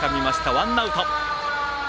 ワンアウト。